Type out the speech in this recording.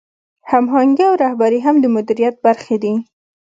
هماهنګي او رهبري هم د مدیریت برخې دي.